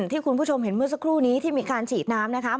ที่คุณผู้ชมเห็นเมื่อสักครู่นี้ที่มีการฉีดน้ำนะคะ